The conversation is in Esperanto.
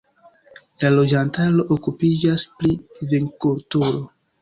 La loĝantaro okupiĝas pri vinkulturo.